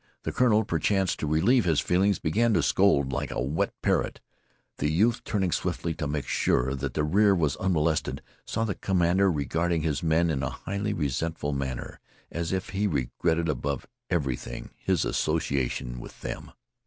The colonel, perchance to relieve his feelings, began to scold like a wet parrot. The youth, turning swiftly to make sure that the rear was unmolested, saw the commander regarding his men in a highly regretful manner, as if he regretted above everything his association with them.